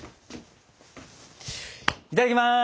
いただきます！